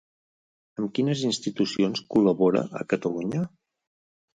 Amb quines institucions col·labora a Catalunya?